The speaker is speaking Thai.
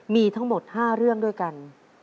มีทั้งหมด๕เรื่องด้วยกัน